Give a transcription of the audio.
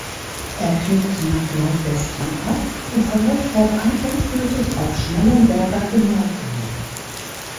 Er knickt nach Nordwesten ab und verläuft fortan endgültig auf Schmallenberger Gemarkung.